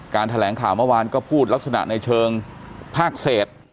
แถลงข่าวเมื่อวานก็พูดลักษณะในเชิงภาคเศษ